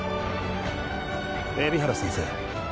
海老原先生。